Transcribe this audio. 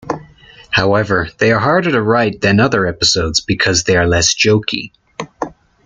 However, they are harder to write than other episodes because they are less jokey.